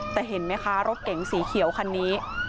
แต่เห็นไหมคะรถเก๋งสีเขียวคันนี้